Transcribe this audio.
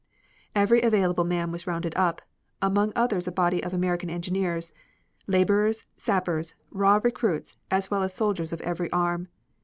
Every available man was rounded up, among others a body of American engineers. Laborers, sappers, raw recruits as well as soldiers of every arm.